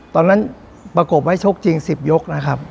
ประกบไว้ชกจริง๑๐ยกนะครับ